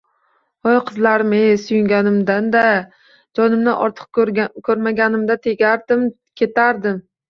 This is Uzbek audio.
— Voy qizlarim-ey, suyganimdan-da! Jonimdan ortiq koʼrmaganimda tegardim-ketardim!